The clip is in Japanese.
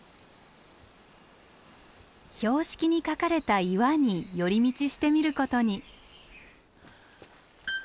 標識に書かれた岩に寄り道してみることに。